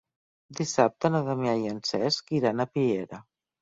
Dissabte na Damià i en Cesc iran a Piera.